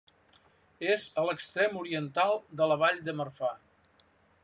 És a l'extrem oriental de la Vall de Marfà.